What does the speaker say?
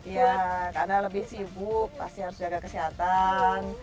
ya karena lebih sibuk pasti harus jaga kesehatan